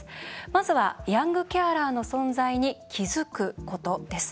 まずは、ヤングケアラーの存在に気づくことです。